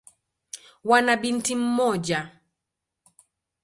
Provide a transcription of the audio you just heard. Wana binti mmoja.